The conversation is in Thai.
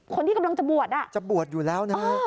คนที่กำลังจะบวชอ่ะจะบวชอยู่แล้วนะฮะ